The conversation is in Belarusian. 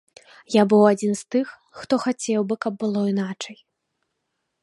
Я быў адзін з тых, хто хацеў бы, каб было іначай.